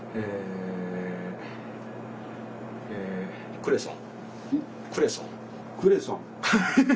クレソン？